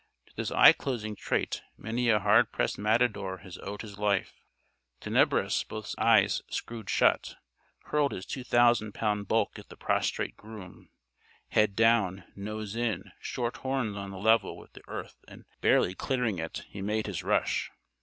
To this eye closing trait many a hard pressed matador has owed his life. Tenebris, both eyes screwed shut, hurled his 2000 pound bulk at the prostrate groom. Head down, nose in, short horns on a level with the earth and barely clearing it, he made his rush.